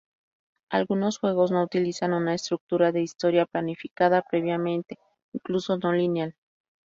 Algunos juegos no utilizan una estructura de historia planificada previamente, incluso no lineal.